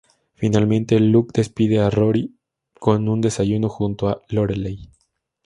Finalmente, Luke despide a Rory con un desayuno junto a Lorelai.